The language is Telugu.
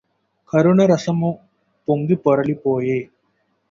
కరుణరసము పొంగి పొరలిపోయె